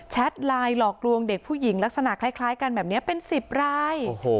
ไลน์หลอกลวงเด็กผู้หญิงลักษณะคล้ายกันแบบนี้เป็น๑๐ราย